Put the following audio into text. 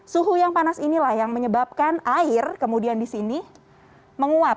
suhu yang panas inilah yang menyebabkan air kemudian di sini menguap